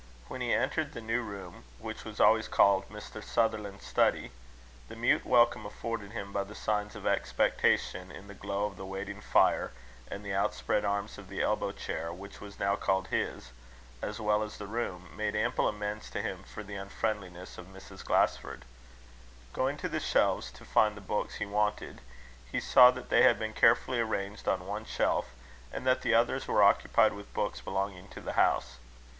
When he entered the new room, which was always called Mr. Sutherland's study, the mute welcome afforded him by the signs of expectation, in the glow of the waiting fire, and the outspread arms of the elbow chair, which was now called his, as well as the room, made ample amends to him for the unfriendliness of Mrs. Glasford. Going to the shelves to find the books he wanted, he saw that they had been carefully arranged on one shelf, and that the others were occupied with books belonging to the house.